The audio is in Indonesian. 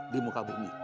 di muka bumi